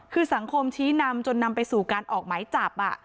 คือสังคมชี้นำจนนำไปสู่การออกหมายจับ